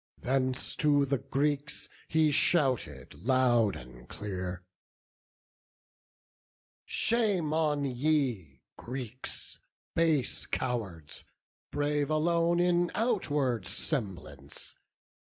Thence to the Greeks he shouted, loud and clear: "Shame on ye, Greeks, base cowards, brave alone In outward semblance!